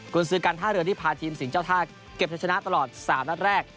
กลุ่นสื่อการท่าเรือที่พาทีมสิงห์เจ้าท่าเก็บเฉชนาตลอด๓นัดแรก